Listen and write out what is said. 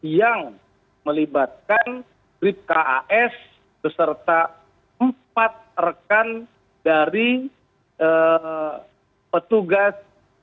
yang melibatkan brip kas beserta empat rekan dari petugas